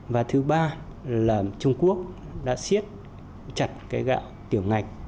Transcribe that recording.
và thứ ba là trung quốc đã xiết chặt cái gạo tiểu ngạch